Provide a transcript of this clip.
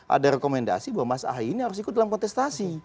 ada rekomendasi bahwa mas ahy ini harus ikut dalam kontestasi